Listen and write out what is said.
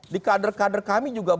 di kader kader kami juga